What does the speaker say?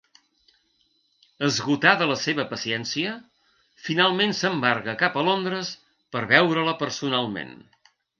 Esgotada la seva paciència, finalment s'embarca cap a Londres per veure-la personalment.